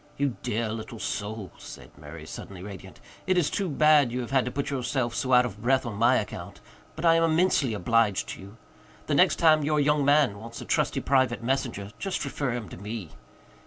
"You dear little soul," said Murray, suddenly radiant. "It is too bad you have had to put yourself so out of breath on my account. But I am immensely obliged to you. The next time your young man wants a trusty private messenger just refer him to me."